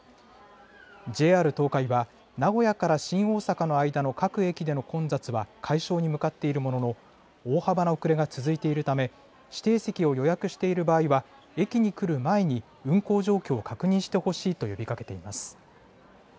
ＪＲ東海は名古屋から新大阪の間の各駅での混雑は解消に向かっているものの大幅な遅れが続いているため指定席を予約している場合は駅に来る前に運行状況を確認してほしいと呼びかけています。